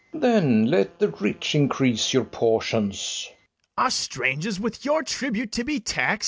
Then let the rich increase your portions. BARABAS. Are strangers with your tribute to be tax'd?